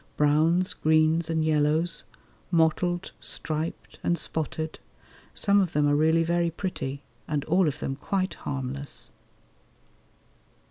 Browns, greens, and yellows; mottled, striped, and spotted; some of them are really very pretty, and all of them quite harmless.